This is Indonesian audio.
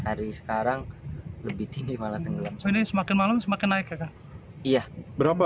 hari sekarang lebih tinggi malah tenggelam semakin malam semakin naik kakak iya berapa